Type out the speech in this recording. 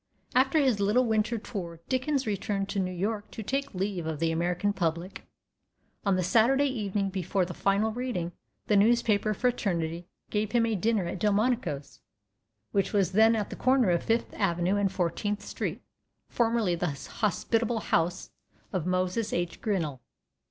After his little winter tour Dickens returned to New York to take leave of the American public. On the Saturday evening before the final reading the newspaper fraternity gave him a dinner at Delmonico's, which was then at the corner of Fifth Avenue and Fourteenth Street, formerly the hospitable house of Moses H. Grinnell.